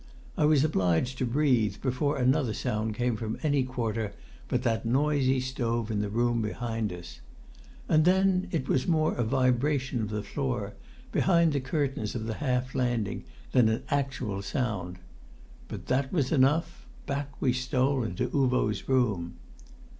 I was obliged to breathe before another sound came from any quarter but that noisy stove in the room behind us. And then it was more a vibration of the floor, behind the curtains of the half landing, than an actual sound. But that was enough; back we stole into Uvo's room.